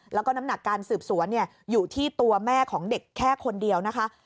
แล้วก็น้ำหนักการสืบสวนอยู่ที่ตัวแม่ของเด็กแค่คนเดียวนะคะ